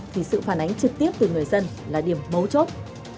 thì sự phản ánh trực tiếp từ người dân là điểm mấu chốt